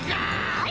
はい。